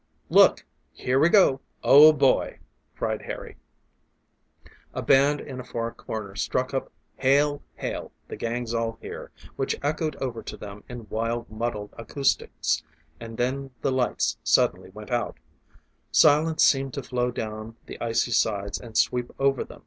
"Look! Here we go oh, boy!" cried Harry. A band in a far corner struck up "Hail, Hail, the Gang's All Here!" which echoed over to them in wild muddled acoustics, and then the lights suddenly went out; silence seemed to flow down the icy sides and sweep over them.